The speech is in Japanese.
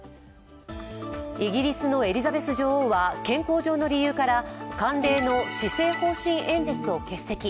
イギリスのエリザベス女王は健康の理由から慣例の施政方針演説を欠席。